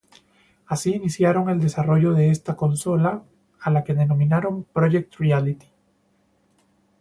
Así iniciaron el desarrollo de esta consola a la que denominaron "Project Reality".